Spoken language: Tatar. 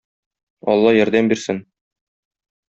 Алла ярдәм бирсен!